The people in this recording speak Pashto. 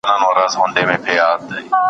زه به اوږده موده سبزېجات وچولي وم!!